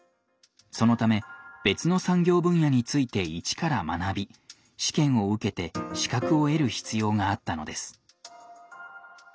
そのため別の産業分野について一から学び試験を受けて資格を得る必要があったのです。